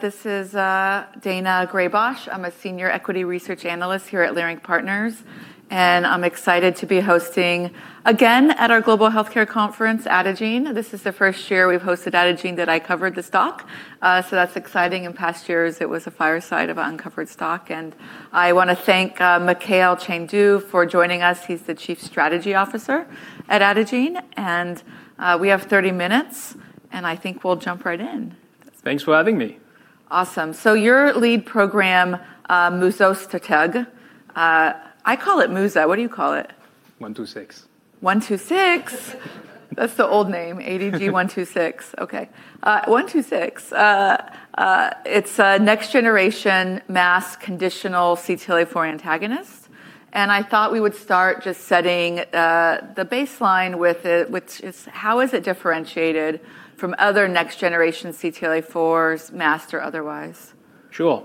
This is Daina Graybosch. I'm a senior equity research analyst here at Leerink Partners, and I'm excited to be hosting again at our global healthcare conference, Adagene. This is the first year we've hosted Adagene that I covered the stock, so that's exciting. In past years, it was a fireside of uncovered stock. I wanna thank Mickael Chane-Du for joining us. He's the Chief Strategy Officer at Adagene. We have 30 minutes, and I think we'll jump right in. Thanks for having me. Awesome. Your lead program, Muzastotug, I call it Muza. What do you call it? 126. 126? That's the old name, ADG126. Okay. 126. It's a next generation masked conditional CTLA-4 antagonist. I thought we would start just setting the baseline with it, which is how is it differentiated from other next generation CTLA-4s, masked or otherwise? Sure.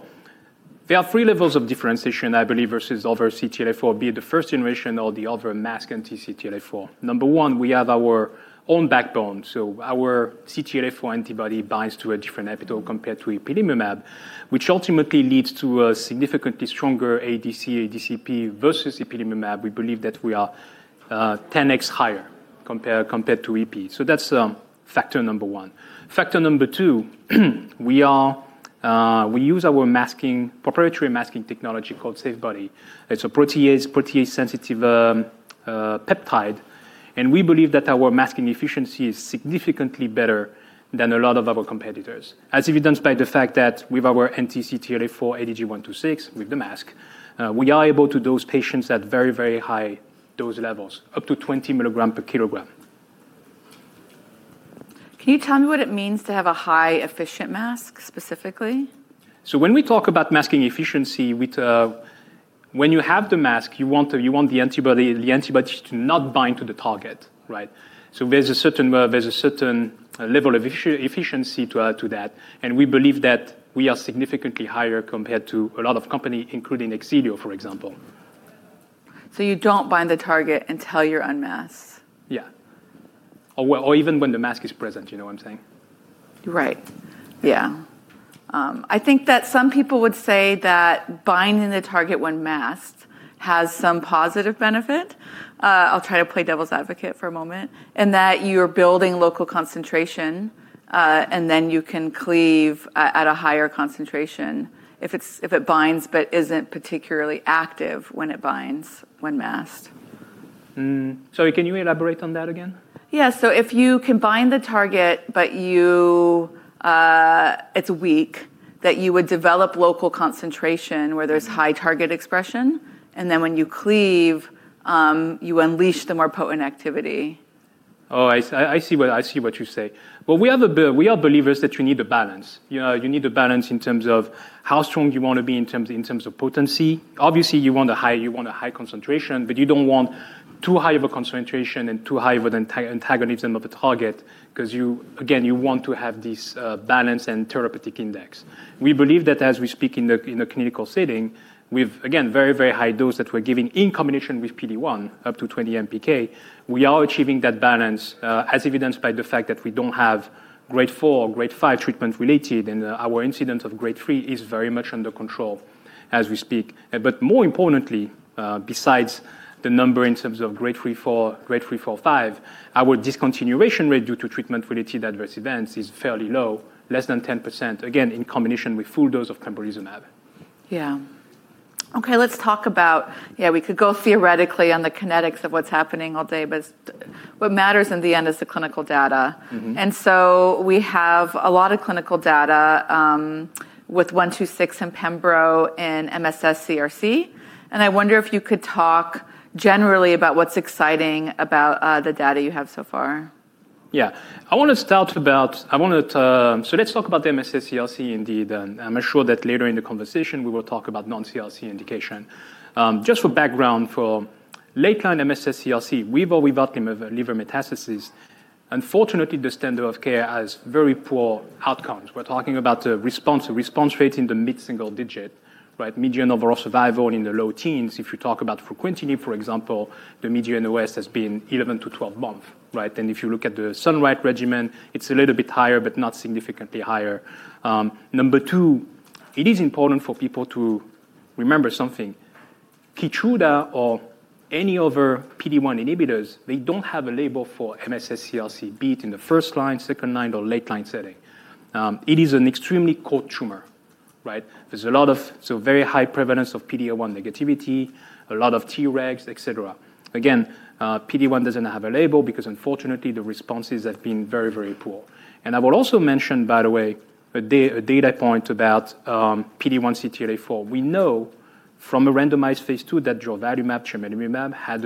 There are three levels of differentiation, I believe, versus other CTLA-4, be it the first generation or the other masked anti-CTLA-4. Number one, we have our own backbone. Our CTLA-4 antibody binds to a different epitope compared to ipilimumab, which ultimately leads to a significantly stronger ADC, ADCP versus ipilimumab. We believe that we are 10x higher compared to Ipi. That's factor number one. Factor number two, we use our proprietary masking technology called SAFEbody It's a protease sensitive peptide, we believe that our masking efficiency is significantly better than a lot of our competitors. As evidenced by the fact that with our anti-CTLA-4 ADG126, with the mask, we are able to dose patients at very, very high dose levels, up to 20 mg per kilogram. Can you tell me what it means to have a high efficient mask, specifically? When we talk about masking efficiency with, when you have the mask, you want the antibody to not bind to the target, right? There's a certain level of efficiency to that, and we believe that we are significantly higher compared to a lot of company, including Exelixis, for example. You don't bind the target until you're unmasked? Yeah. Or even when the mask is present, you know what I'm saying? Right. Yeah. I think that some people would say that binding the target when masked has some positive benefit, I'll try to play devil's advocate for a moment, in that you're building local concentration, and then you can cleave at a higher concentration if it binds but isn't particularly active when it binds when masked. Sorry, can you elaborate on that again? Yeah. If you can bind the target, but you, it's weak, that you would develop local concentration where there's high target expression, and then when you cleave, you unleash the more potent activity. I see what you say. We are believers that you need a balance. You know, you need a balance in terms of how strong you wanna be in terms of, in terms of potency. Obviously, you want a high, you want a high concentration, but you don't want too high of a concentration and too high of an antagonism of the target because you, again, you want to have this balance and therapeutic index. We believe that as we speak in the, in the clinical setting, with, again, very, very high dose that we're giving in combination with PD-1 up to 20 MPK, we are achieving that balance, as evidenced by the fact that we don't have grade 4 or grade 5 treatment related, and our incidence of grade 3 is very much under control as we speak. More importantly, besides the number in terms of grade 3/4, grade 3/4/5, our discontinuation rate due to treatment related adverse events is fairly low, less than 10%, again, in combination with full dose of pembrolizumab. Yeah. Okay, let's talk. Yeah, we could go theoretically on the kinetics of what's happening all day, but what matters in the end is the clinical data. Mm-hmm. We have a lot of clinical data, with 126 and Pembro in MSS CRC, and I wonder if you could talk generally about what's exciting about the data you have so far? Yeah. Let's talk about the MSS CRC indeed, and I'm sure that later in the conversation, we will talk about non-CRC indication. Just for background, for late-line MSS CRC, with or without liver metastasis, unfortunately, the standard of care has very poor outcomes. We're talking about a response rate in the mid-single digit, right? Median overall survival in the low teens. If you talk about fruquintinib, for example, the median OS has been 11-12 months, right? If you look at the sunitinib regimen, it's a little bit higher, but not significantly higher. Number two, it is important for people to remember something. Keytruda or any other PD-1 inhibitors, they don't have a label for MSS CRC, be it in the first line, second line, or late line setting. It is an extremely cold tumor, right? Very high prevalence of PD-L1 negativity, a lot of T-egs, et cetera. PD-1 doesn't have a label because unfortunately the responses have been very, very poor. I will also mention, by the way, a data point about PD-1 CTLA-4. We know from a randomized Phase 2 that nivolumab, ipilimumab had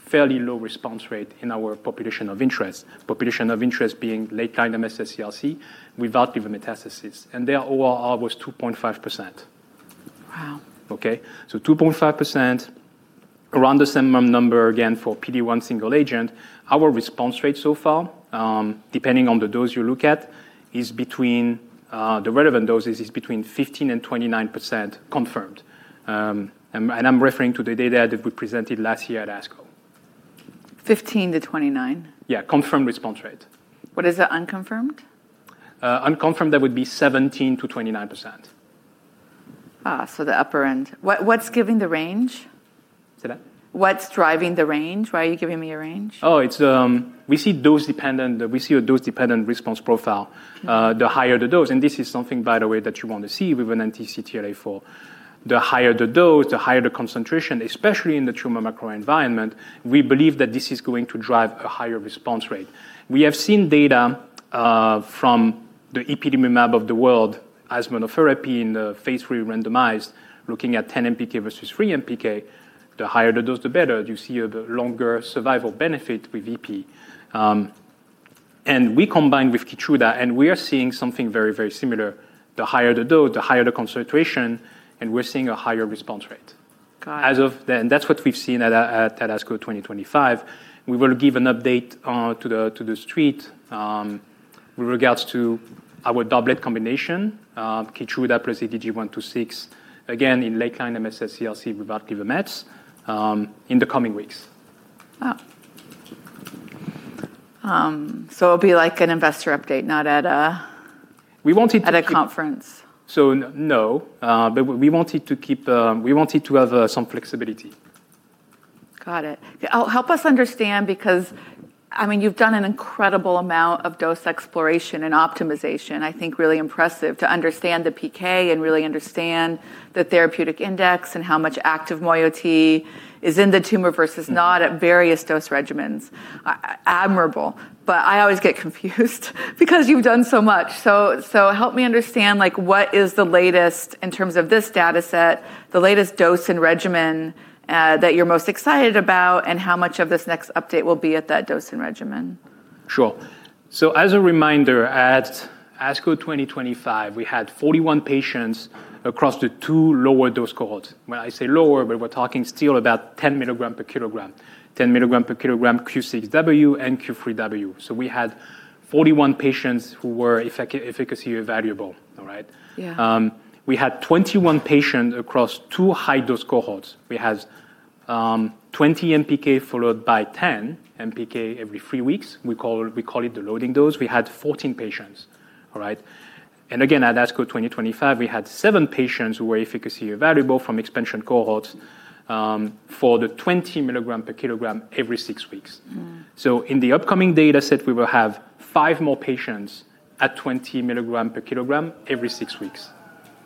a fairly low response rate in our population of interest. Population of interest being late-line MSS CRC without liver metastasis, their ORR was 2.5%. Wow. Okay? 2.5%, around the same number again for PD-1 single agent. Our response rate so far, depending on the dose you look at, the relevant doses is between 15% and 29% confirmed. I'm referring to the data that we presented last year at ASCO. 15%-29%? Yeah, confirmed response rate. What is the unconfirmed? Unconfirmed, that would be 17%-29%. The upper end. What's giving the range? Say that? What's driving the range? Why are you giving me a range? We see a dose-dependent response profile, the higher the dose. This is something, by the way, that you want to see with an anti-CTLA-4. The higher the dose, the higher the concentration, especially in the tumor microenvironment, we believe that this is going to drive a higher response rate. We have seen data from the ipilimumab of the world as monotherapy in the Phase 3 randomized, looking at 10 MPK versus 3 MPK. The higher the dose, the better. You see a longer survival benefit with Ipi. We combine with Keytruda, and we are seeing something very, very similar. The higher the dose, the higher the concentration, and we're seeing a higher response rate. Got it. As of then. That's what we've seen at ASCO 2025. We will give an update to the, to the street, with regards to our doublet combination, Keytruda plus ADG126, again, in late-line MSS CRC with Ipi/mets, in the coming weeks. Wow. So it'll be like an investor update. We wanted to. At a conference. No. We wanted to have some flexibility. Got it. Help us understand because, I mean, you've done an incredible amount of dose exploration and optimization. I think really impressive to understand the PK and really understand the therapeutic index and how much active moiety is in the tumor versus not at various dose regimens. Admirable. I always get confused because you've done so much. Help me understand like what is the latest in terms of this data set, the latest dose and regimen that you're most excited about, and how much of this next update will be at that dose and regimen? As a reminder, at ASCO 2025, we had 41 patients across the two lower dose cohorts. When I say lower, but we're talking still about 10 mg per kilogram. 10 mg per kilogram Q6W and Q3W. We had 41 patients who were efficacy evaluable. All right? Yeah. We had 21 patients across two high-dose cohorts. We had 20 MPK followed by 10 MPK every three weeks. We call it the loading dose. We had 14 patients. All right? Again, at ASCO 2025, we had seven patients who were efficacy evaluable from expansion cohorts for the 20 mg per kilogram every six weeks. Mm. In the upcoming data set, we will have five more patients at 20 milligram per kilogram every six weeks.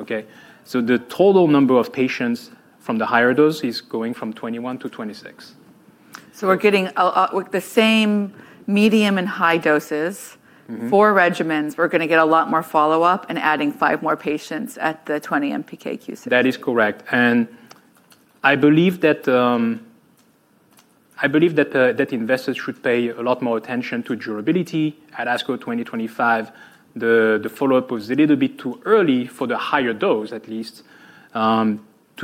Okay? The total number of patients from the higher dose is going from 21 to 26. We're getting With the same medium and high doses- Mm-hmm ... four regimens, we're gonna get a lot more follow-up and adding five more patients at the 20 MPK Q6W. That is correct. I believe that investors should pay a lot more attention to durability. At ASCO 2025, the follow-up was a little bit too early for the higher dose, at least, to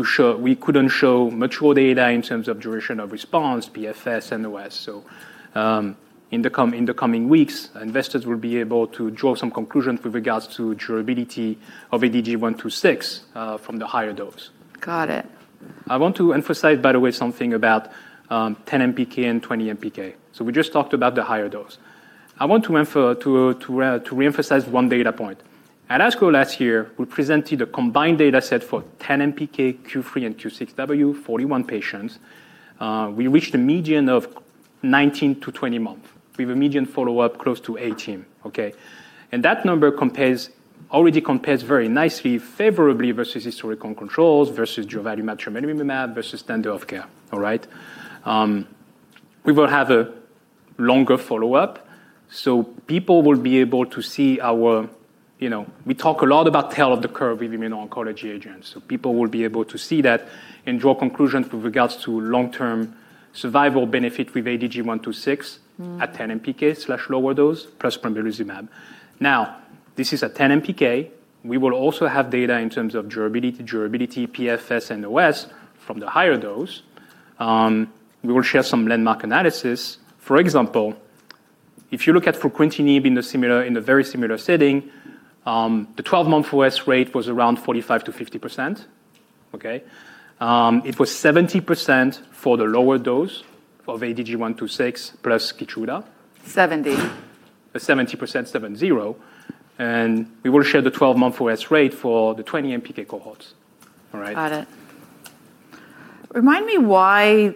show. We couldn't show mature data in terms of duration of response, PFS, and OS. In the coming weeks, investors will be able to draw some conclusions with regards to durability of ADG126 from the higher dose. Got it. I want to emphasize, by the way, something about 10 MPK and 20 MPK. We just talked about the higher dose. I want to reemphasize one data point. At ASCO last year, we presented a combined data set for 10 MPK, Q3 and Q6W, 41 patients. We reached a median of 19-20 month. We have a median follow-up close to 18. Okay? That number already compares very nicely favorably versus historical controls, versus durvalumab, tremelimumab, versus standard of care. All right? We will have a longer follow-up, so people will be able to see our... You know, we talk a lot about tail of the curve with immuno-oncology agents, so people will be able to see that and draw conclusions with regards to long-term survival benefit with ADG126. Mm ... at 10 MPK/lower dose plus pembrolizumab. This is a 10 MPK. We will also have data in terms of durability, PFS, and OS from the higher dose. We will share some landmark analysis. If you look at fruquintinib in a very similar setting, the 12-month OS rate was around 45%-50%. Okay. It was 70% for the lower dose of ADG126 plus Keytruda. Seventy. 70%. We will share the 12-month OS rate for the 20 MPK cohorts. All right? Got it. Remind me why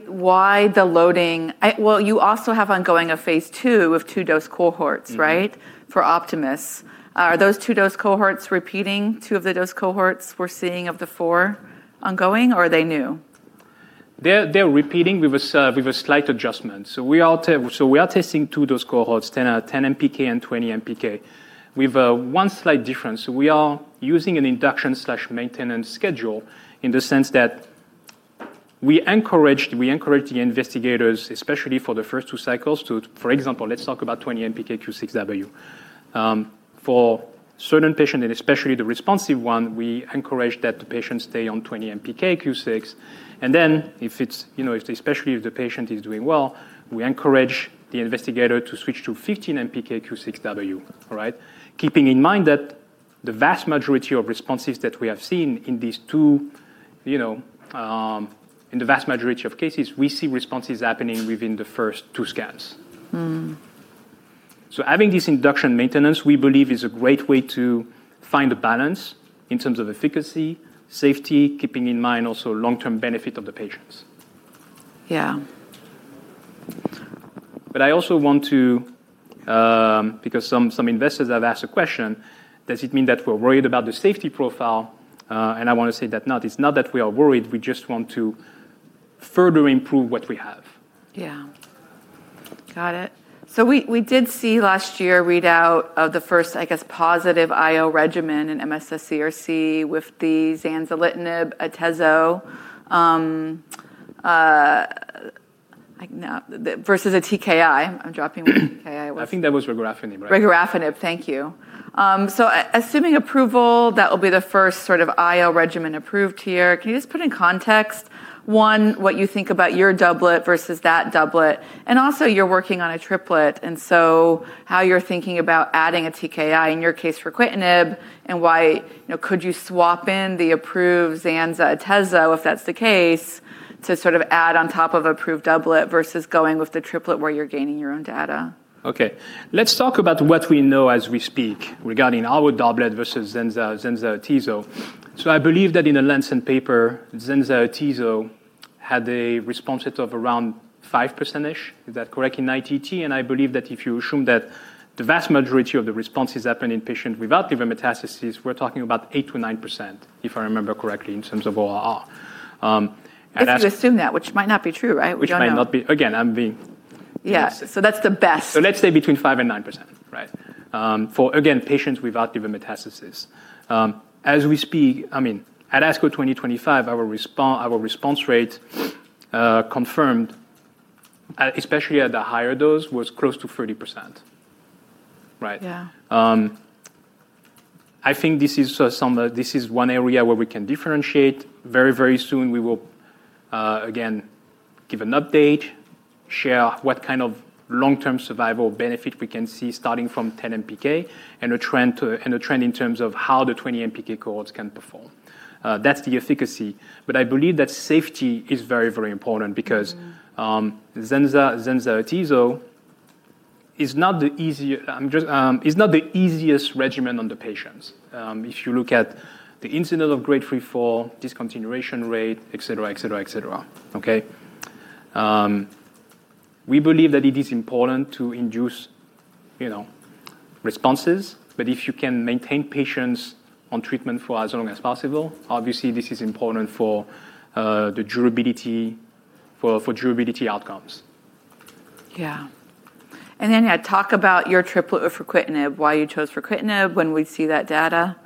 the loading... well, you also have ongoing a Phase 2 of two dose cohorts- Mm-hmm right? For optimists. Are those two dose cohorts repeating two of the dose cohorts we're seeing of the four ongoing, or are they new? They're repeating with a slight adjustment. We are testing two dose cohorts, 10 MPK and 20 MPK. We've one slight difference. We are using an induction/maintenance schedule in the sense that we encouraged the investigators, especially for the first two cycles, to. For example, let's talk about 20 MPK Q6W. For certain patient, and especially the responsive one, we encourage that the patient stay on 20 MPK Q6. If it's especially if the patient is doing well, we encourage the investigator to switch to 15 MPK Q6W. All right? Keeping in mind that the vast majority of responses that we have seen in these two, in the vast majority of cases, we see responses happening within the first two scans. Mm. Having this induction maintenance, we believe is a great way to find a balance in terms of efficacy, safety, keeping in mind also long-term benefit of the patients. Yeah. I also want to, because some investors have asked a question, does it mean that we're worried about the safety profile? I wanna say that not. It's not that we are worried, we just want to further improve what we have. Yeah. Got it. We, we did see last year readout of the first, I guess, positive IO regimen in MSS CRC with the Zanzalintinib atezolizumab versus a TKI. I'm drawing a blank what TKI was. I think that was regorafenib, right? regorafenib. Thank you. Assuming approval, that will be the first sort of IO regimen approved here. Can you just put in context, one, what you think about your doublet versus that doublet? Also you're working on a triplet, how you're thinking about adding a TKI in your case fruquintinib, and why, you know, could you swap in the approved Zanzalintinib atezolizumab, if that's the case, to sort of add on top of approved doublet versus going with the triplet where you're gaining your own data? Okay. Let's talk about what we know as we speak regarding our doublet versus zanza atezo. I believe that in The Lancet paper, zanza atezo had a response rate of around 5%. Is that correct? In ITT. I believe that if you assume that the vast majority of the responses happen in patients without liver metastasis, we're talking about 8%-9%, if I remember correctly, in terms of ORR. If you assume that, which might not be true, right? We don't know. Which might not be... Again, I'm being- Yeah. That's the best. Let's say between 5% and 9%, right? For again, patients without liver metastasis. As we speak, I mean, at ASCO 2025, our response rate, confirmed, at, especially at the higher dose, was close to 30%. Right? Yeah. I think this is one area where we can differentiate. Very, very soon, we will again, give an update, share what kind of long-term survival benefit we can see starting from 10 MPK, and a trend in terms of how the 20 MPK cohorts can perform. That's the efficacy. I believe that safety is very, very important because. Mm. Zanza atezo is not the easiest regimen on the patients. If you look at the incident of grade 3-4 discontinuation rate, et cetera. Okay? We believe that it is important to induce, you know, responses, but if you can maintain patients on treatment for as long as possible, obviously, this is important for the durability outcomes. Yeah. yeah, talk about your triplet of fruquintinib, why you chose fruquintinib, when we'd see that data.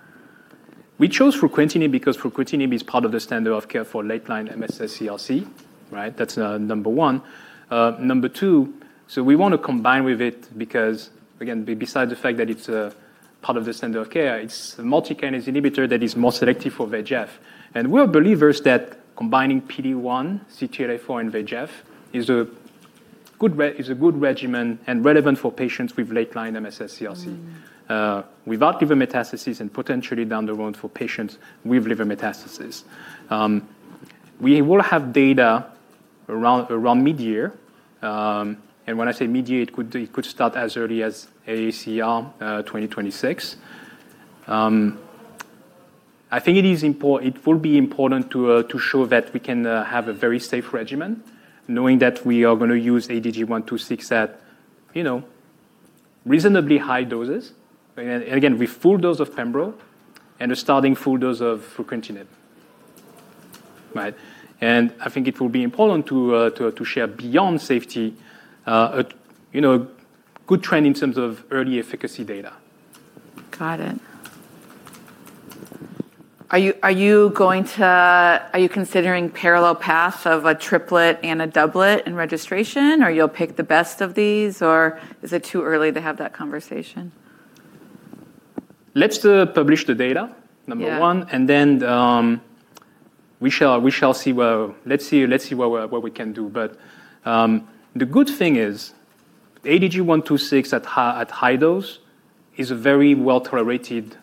We chose fruquintinib because fruquintinib is part of the standard of care for late-line MSS CRC. Right? That's number one. Number two, we wanna combine with it because again, besides the fact that it's part of the standard of care, it's a multikinase inhibitor that is more selective for VEGF. We're believers that combining PD-1, CTLA-4, and VEGF is a good regimen and relevant for patients with late-line MSS CRC. Mm. without liver metastasis and potentially down the road for patients with liver metastasis. We will have data around mid-year. When I say mid-year, it could start as early as AACR 2026. I think it will be important to show that we can have a very safe regimen knowing that we are going to use ADG126 at, you know, reasonably high doses. Again, with full dose of pembro and a starting full dose of fruquintinib. Right? I think it will be important to share beyond safety, a, you know, good trend in terms of early efficacy data. Got it. Are you considering parallel path of a triplet and a doublet in registration? Or you'll pick the best of these? Or is it too early to have that conversation? Let's publish the data- Yeah. number one. We shall see where let's see what we can do. The good thing is ADG126 at high dose is a very well-tolerated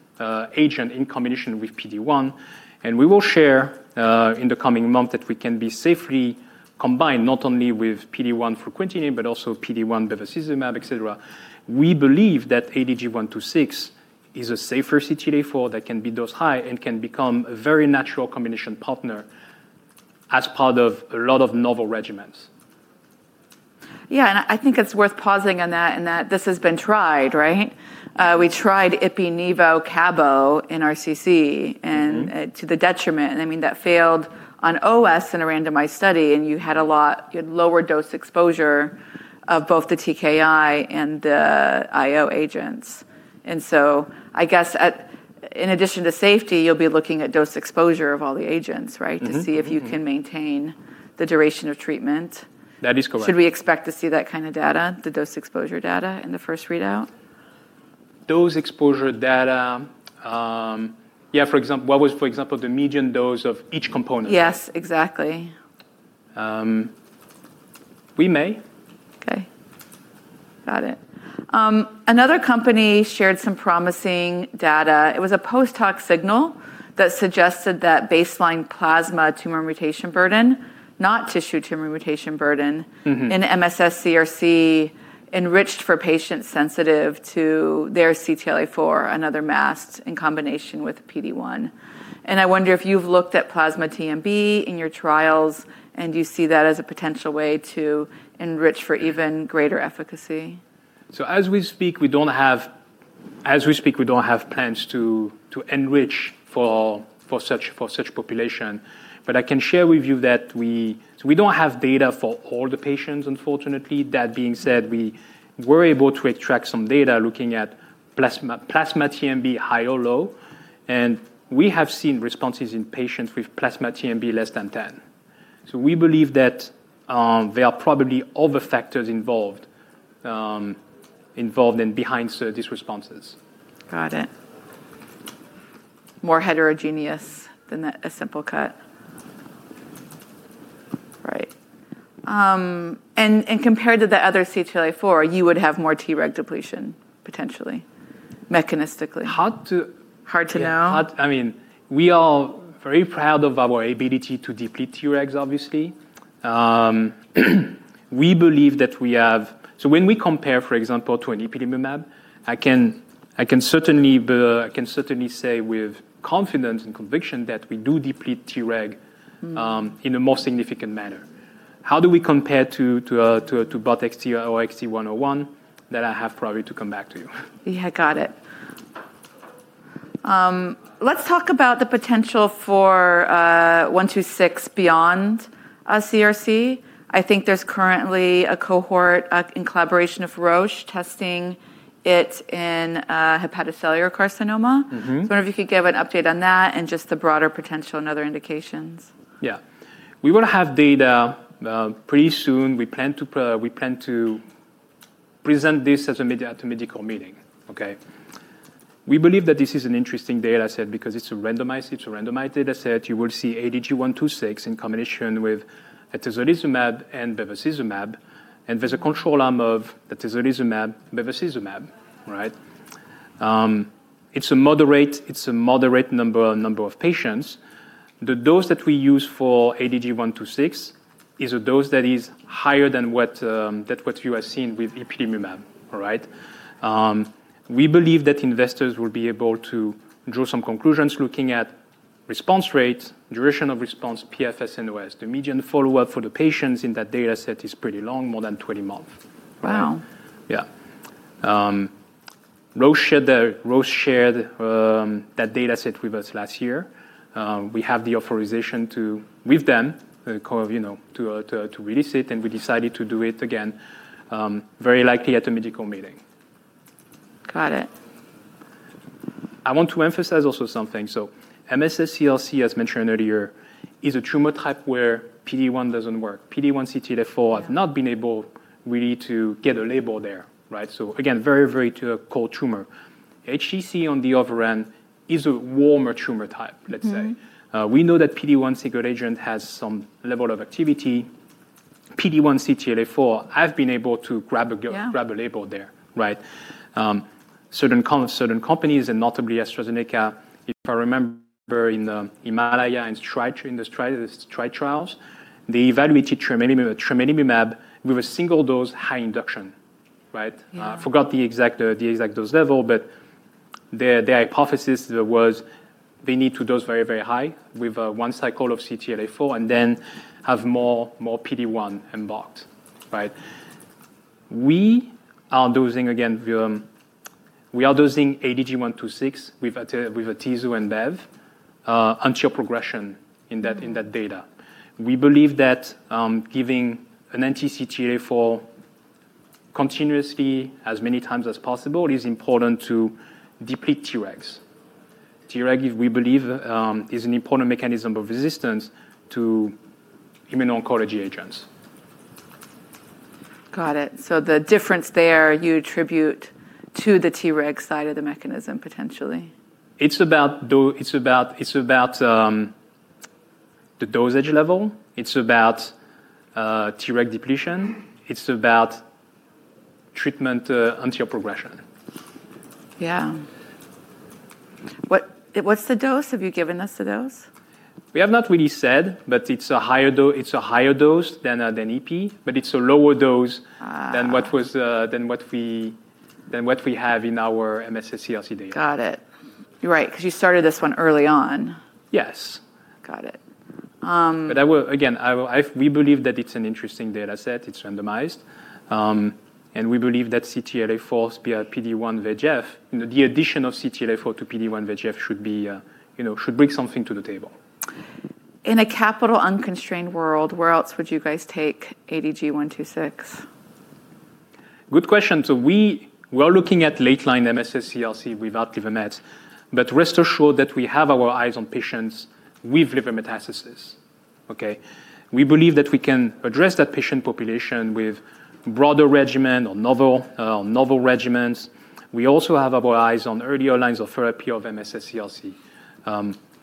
agent in combination with PD-1, and we will share in the coming month that we can be safely combined not only with PD-1 fruquintinib, but also PD-1 bevacizumab, et cetera. We believe that ADG126 is a safer CTLA-4 that can be dosed high and can become a very natural combination partner as part of a lot of novel regimens. Yeah, I think it's worth pausing on that, in that this has been tried, right? We tried Ipi, nivo, cabozantinib in RCC. Mm-hmm. to the detriment. I mean, that failed on OS in a randomized study, and you had lower dose exposure of both the TKI and the IO agents. In addition to safety, you'll be looking at dose exposure of all the agents, right? Mm-hmm. Mm-hmm. To see if you can maintain the duration of treatment. That is correct. Should we expect to see that kind of data, the dose exposure data in the first readout? Dose exposure data, Yeah, what was, for example, the median dose of each component? Yes, exactly. We may. Okay. Got it. Another company shared some promising data. It was a post hoc signal that suggested that baseline plasma tumor mutation burden, not tissue tumor mutation burden... Mm-hmm. In MSS CRC enriched for patients sensitive to their CTLA-4, another MAST in combination with PD-1. I wonder if you've looked at plasma TMB in your trials, and do you see that as a potential way to enrich for even greater efficacy? As we speak, we don't have plans to enrich for such population. I can share with you that we don't have data for all the patients, unfortunately. That being said, we were able to extract some data looking at plasma TMB high or low, and we have seen responses in patients with plasma TMB less than 10. We believe that there are probably other factors involved in behind so these responses. Got it. More heterogeneous than a simple cut. Right. Compared to the other CTLA-4, you would have more Treg depletion, potentially, mechanistically. Hard to- Hard to know? Yeah. I mean, we are very proud of our ability to deplete Tregs, obviously. We believe that when we compare, for example, to an ipilimumab, I can certainly say with confidence and conviction that we do deplete Treg- Mm. in a more significant manner. How do we compare to botensilimab or XTX101? That I have probably to come back to you. Yeah, got it. Let's talk about the potential for 126 beyond CRC. I think there's currently a cohort in collaboration of Roche testing it in hepatocellular carcinoma. Mm-hmm. I wonder if you could give an update on that and just the broader potential and other indications. Yeah. We will have data pretty soon. We plan to present this at a medical meeting. Okay? We believe that this is an interesting data set because it's a randomized data set. You will see ADG126 in combination with atezolizumab and bevacizumab. There's a control arm of atezolizumab, bevacizumab, right? It's a moderate number of patients. The dose that we use for ADG126 is a dose that is higher than what that you have seen with ipilimumab. All right? We believe that investors will be able to draw some conclusions looking at response rates, duration of response, PFS, and OS. The median follow-up for the patients in that data set is pretty long, more than 20 months. Wow. Yeah. Roche shared that data set with us last year. We have the authorization with them, you know, to release it. We decided to do it again, very likely at a medical meeting. Got it. I want to emphasize also something. MSS CRC, as mentioned earlier, is a tumor type where PD-1 doesn't work. PD-1, CTLA-4 have not been able really to get a label there, right? Again, very to a cold tumor. HCC on the other end is a warmer tumor type, let's say. Mm-hmm. we know that PD-1 single agent has some level of activity. PD-1, CTLA-4 have been able to. Yeah. grab a label there, right? certain companies, and notably AstraZeneca, if I remember in the HIMALAYA and STRIDE, in the STRIDE trials, they evaluated tremelimumab with a single dose high induction. Right? Yeah. I forgot the exact, the exact dose level, but the hypothesis was they need to dose very, very high with, one cycle of CTLA-4 and then have more PD-1 embarked. Right? We are dosing again, we are dosing ADG126 with atezo and bev, until progression in that data. We believe that, giving an anti-CTLA-4 continuously as many times as possible is important to deplete Tregs. Treg, we believe, is an important mechanism of resistance to immuno-oncology agents. Got it. The difference there you attribute to the Treg side of the mechanism, potentially. It's about the dosage level. It's about Treg depletion. It's about treatment until progression. Yeah. What's the dose? Have you given us the dose? We have not really said, but it's a higher dose than Ipi, but it's a lower dose. Ah. than what was, than what we have in our MSS CRC data. Got it. You're right, 'cause you started this one early on. Yes. Got it. We believe that it's an interesting data set. It's randomized. We believe that CTLA-4 via PD-1 VEGF, you know, the addition of CTLA-4 to PD-1 VEGF should be, you know, should bring something to the table. In a capital unconstrained world, where else would you guys take ADG126? Good question. We are looking at late line MSS CRC without liver mets, but rest assured that we have our eyes on patients with liver metastasis. Okay? We believe that we can address that patient population with broader regimen or novel regimens. We also have our eyes on earlier lines of therapy of MSS CRC.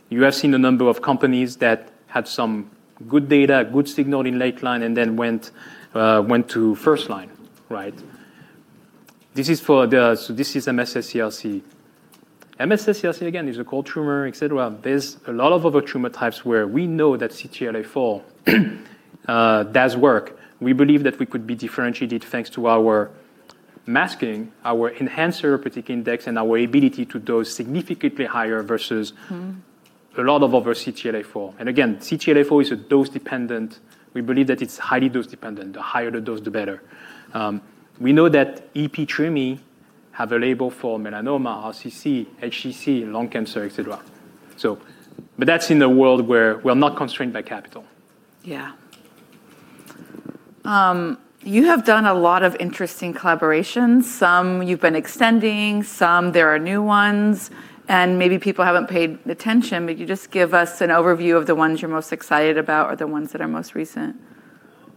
You have seen a number of companies that had some good data, good signal in late line and then went to first line, right? This is MSS CRC. MSS CRC again is a cold tumor, et cetera. There's a lot of other tumor types where we know that CTLA-4 does work. We believe that we could be differentiated thanks to our masking, our enhancer particular index, and our ability to dose significantly higher. Mm. A lot of other CTLA-4. Again, CTLA-4 is a dose dependent. We believe that it's highly dose dependent. The higher the dose, the better. We know that Ipi Treme have a label for melanoma, RCC, HCC, lung cancer, et cetera. That's in a world where we're not constrained by capital. Yeah. You have done a lot of interesting collaborations. Some you've been extending, some there are new ones, and maybe people haven't paid attention, but could you just give us an overview of the ones you're most excited about or the ones that are most recent?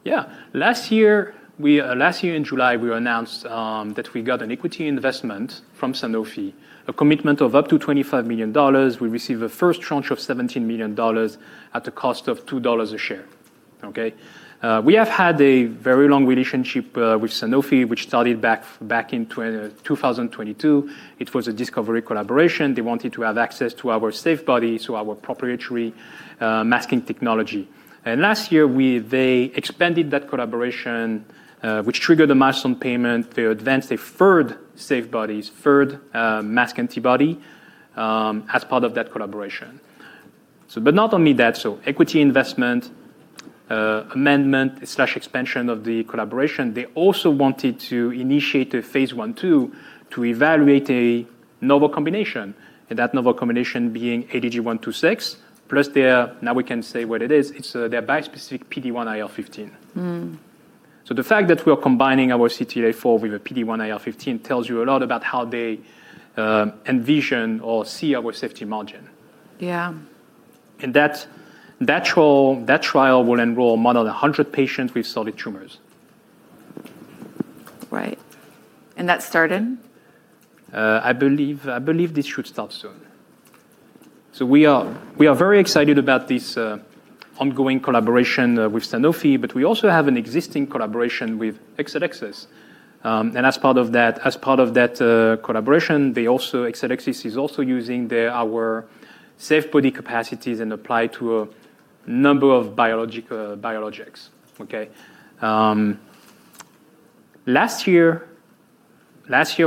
Yeah. Last year, we last year in July, we announced that we got an equity investment from Sanofi, a commitment of up to $25 million. We received the first tranche of $17 million at the cost of $2 a share. Okay? We have had a very long relationship with Sanofi, which started back in 2022. It was a discovery collaboration. They wanted to have access to our SAFEbody, so our proprietary masking technology. Last year, they expanded that collaboration, which triggered the milestone payment. They advanced a third SAFEbody, third masked antibody as part of that collaboration. Not only that, equity investment, amendment slash expansion of the collaboration. They also wanted to initiate a Phase 1/2 to evaluate a novel combination, and that novel combination being ADG126 plus their, now we can say what it is, it's, their bispecific PD-1/IL-15. Mm. The fact that we are combining our CTLA-4 with a PD-1/IL-15 tells you a lot about how they envision or see our safety margin. Yeah. That trial will enroll more than 100 patients with solid tumors. Right. That's started? I believe this should start soon. We are very excited about this ongoing collaboration with Sanofi, but we also have an existing collaboration with Exelixis. As part of that collaboration, Exelixis is also using their, our SAFEbody capacities and apply to a number of biologic biologics. Okay? Last year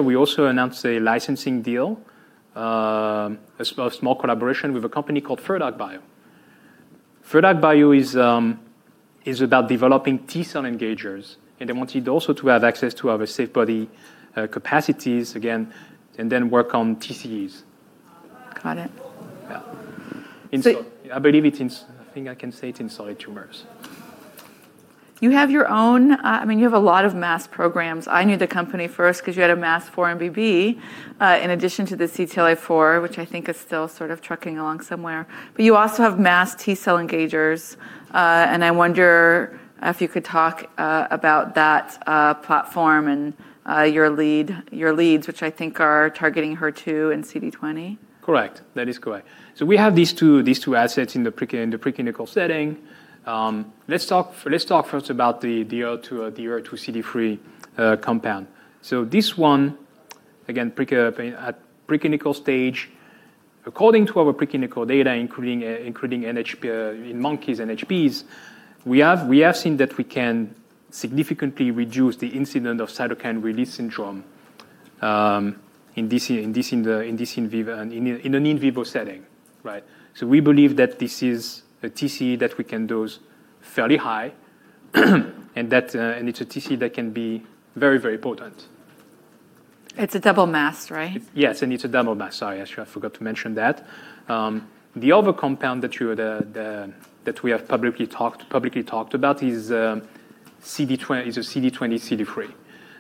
we also announced a licensing deal, a small collaboration with a company called Third Arc Bio. Third Arc Bio is about developing T-cell engagers, and they wanted also to have access to our SAFEbody capacities again and then work on TCEs. Got it. Yeah. So- I think I can say it's in solid tumors. You have your own, I mean, you have a lot of MAS programs. I knew the company first 'cause you had a MAS 4-1BB, in addition to the CTLA-4, which I think is still sort of trucking along somewhere. You also have MAS T-cell engagers. I wonder if you could talk about that platform and your lead, your leads, which I think are targeting HER2 and CD20. Correct. That is correct. We have these two assets in the preclinical setting. Let's talk first about the ADG211 CD3 compound. This one, again, at preclinical stage, according to our preclinical data, including in monkeys and HPs, we have seen that we can significantly reduce the incident of cytokine release syndrome in this in vivo and in an in vivo setting, right? We believe that this is a TCE that we can dose fairly high, and it's a TCE that can be very potent. It's a double MAS, right? Yes, and it's a double MAS. Sorry, actually I forgot to mention that. The other compound that we have publicly talked about is a CD20 CD3.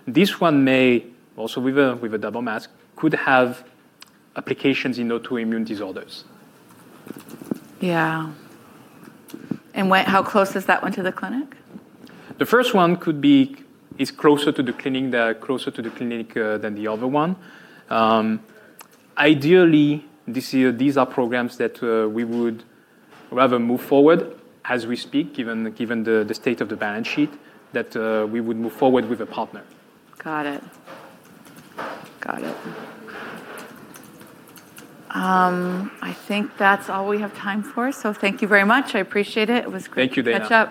This one may, also with a, with a double MAS, could have applications in autoimmune disorders. Yeah. How close is that one to the clinic? The first one could be, is closer to the clinic, the closer to the clinic, than the other one. Ideally, this year, these are programs that we would rather move forward as we speak, given the state of the balance sheet, that we would move forward with a partner. Got it. I think that's all we have time for. Thank you very much. I appreciate it. It was great. Thank you, Daina. ...to catch up.